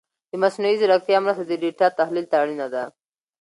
د مصنوعي ځیرکتیا مرسته د ډېټا تحلیل ته اړینه ده.